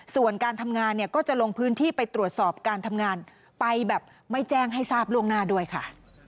ส่วนการทำงานเนี่ยก็จะลงพื้นที่ไปตรวจสอบการทำงานไปแบบไม่แจ้งให้ทราบล่วงหน้าด้วยค่ะ